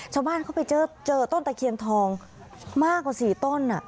ชาวบ้านเขาไปเจอต้นตะเคียนทองมากกว่า๔ต้น